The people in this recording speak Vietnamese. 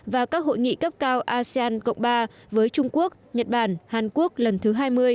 và các hội nghị cấp cao asean cộng ba với trung quốc nhật bản hàn quốc lần thứ hai mươi